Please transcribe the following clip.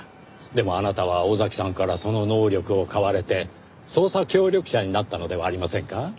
でもあなたは尾崎さんからその能力を買われて捜査協力者になったのではありませんか？